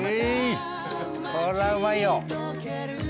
これはうまいよ。